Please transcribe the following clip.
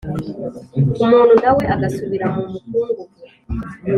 umuntu na we agasubira mu mukungugu